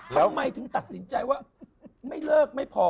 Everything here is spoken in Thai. ทำไมถึงตัดสินใจว่าไม่เลิกไม่พอ